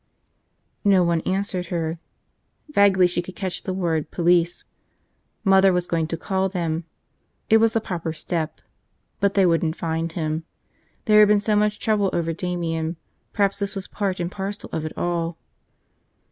No one answered her. Vaguely she could catch the word police. Mother was going to call them. It was the proper step. But they wouldn't find him. There had been so much trouble over Damian, perhaps this was part and parcel of it all.